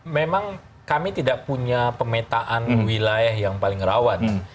memang kami tidak punya pemetaan wilayah yang paling rawan